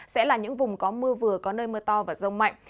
sẽ là những vùng có mưa vừa có nơi mưa to và rông mạnh